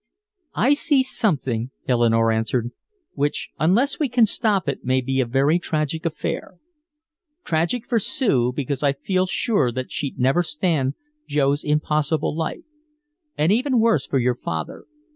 "I see something," Eleanore answered, "which unless we can stop it may be a very tragic affair. Tragic for Sue because I feel sure that she'd never stand Joe's impossible life. And even worse for your father.